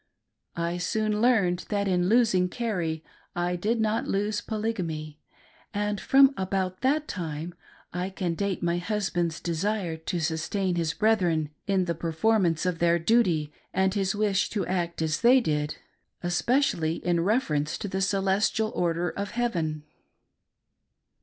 I soon learned that in losing Carrie I did not lose Polygamy, and from about that time I can date my husband's desire to sustain his brethren in the performance of their duty and his wish to act as they did, especially in reference to the " Celestial Order of Heaven."